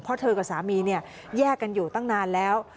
เพราะเธอกับสามีเนี่ยแยกกันอยู่ตั้งนานแล้ว